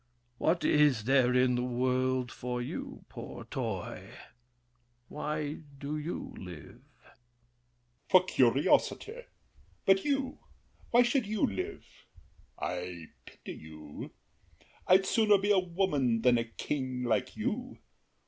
What is there in the world for you, poor toy? Why do you live? L'ANGELY. For curiosity. But you—why should you live? I pity you! I'd sooner be a woman than a king Like you.